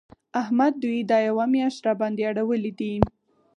احمد دوی دا یوه مياشت راباندې اړولي دي.